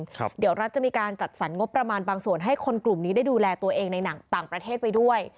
เดี๋ยวรัฐจะมีการจัดสรรงบประมาณบางส่วนให้คนกลุ่มนี้ได้ดูแลตัวเองในหนังต่างประเทศไปด้วย